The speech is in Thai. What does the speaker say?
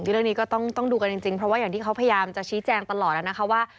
เรื่องนี้ก็ต้องดูกันจริงเพราะว่าอย่างที่เขาพยายามจะชี้แจงตลอดแล้วนะคะว่า